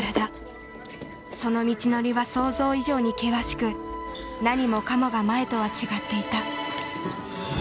その道のりは想像以上に険しく何もかもが前とは違っていた。